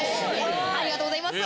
ありがとうございます。